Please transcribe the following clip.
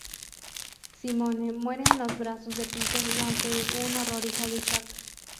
Simone muere en los brazos de Peter y ante un horrorizado Isaac.